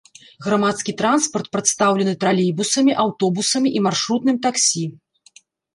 Грамадскі транспарт прадстаўлены тралейбусамі, аўтобусамі і маршрутным таксі.